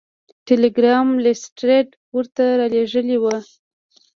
ټیلګرام لیسټرډ ورته رالیږلی و.